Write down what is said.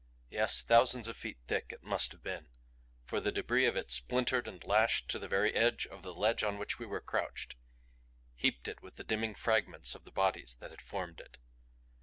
Yes, thousands of feet thick it must have been, for the debris of it splintered and lashed to the very edge of the ledge on which we crouched; heaped it with the dimming fragments of the bodies that had formed it.